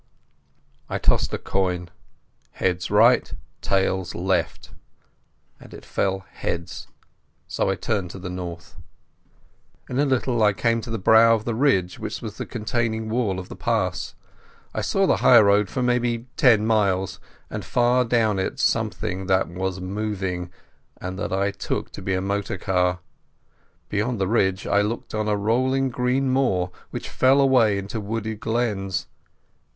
I tossed a coin—heads right, tails left—and it fell heads, so I turned to the north. In a little I came to the brow of the ridge which was the containing wall of the pass. I saw the highroad for maybe ten miles, and far down it something that was moving, and that I took to be a motor car. Beyond the ridge I looked on a rolling green moor, which fell away into wooded glens.